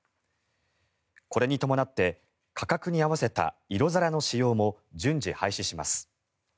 これに伴って価格に合わせた色皿の使用も順次廃止します。